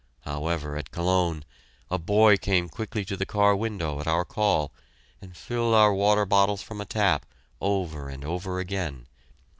However, at Cologne, a boy came quickly to the car window at our call, and filled our water bottles from a tap, over and over again.